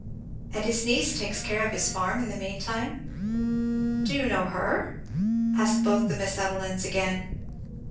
"And his niece takes care of his farm in the meantime?" "Do you know her?" asked both the Miss Evelyns again.